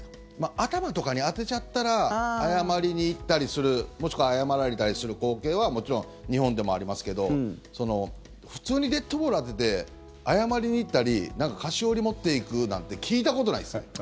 頭とかに当てちゃったら謝りに行ったりするもしくは謝られたりする光景はもちろん日本でもありますけど普通にデッドボール当てて謝りに行ったり何か菓子折り持っていくなんて聞いたことないですよ。